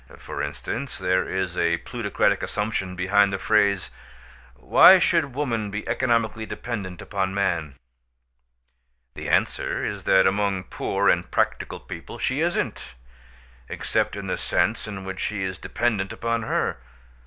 For instance, there is a plutocratic assumption behind the phrase "Why should woman be economically dependent upon man?" The answer is that among poor and practical people she isn't; except in the sense in which he is dependent upon her.